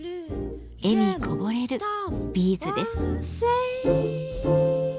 笑みこぼれるビーズです。